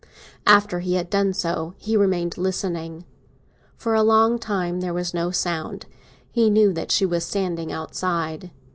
After he had done so, he remained listening. For a long time there was no sound; he knew that she was standing outside.